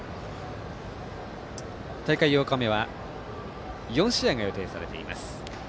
大会８日目は４試合が予定されています。